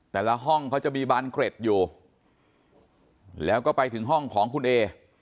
ห้องเขาจะมีบานเกร็ดอยู่แล้วก็ไปถึงห้องของคุณเอ